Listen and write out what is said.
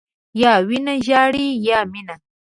یا وینه ژاړي، یا مینه.